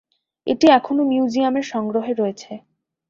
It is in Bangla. এটি এখনও মিউজিয়ামের সংগ্রহে রয়েছে।